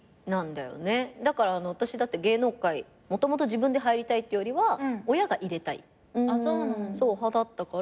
私だって芸能界もともと自分で入りたいっていうよりは親が入れたい派だったから。